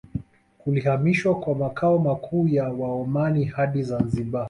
Kulihamishwa kwa makao makuu ya Waomani hadi Zanzibar